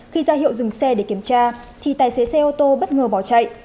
khi ra hiệu dừng xe để kiểm tra thì tài xế xe ô tô bất ngờ bỏ chạy